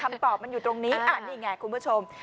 คำตอบมันอยู่ตรงนี้นี่ไงคุณผู้ชม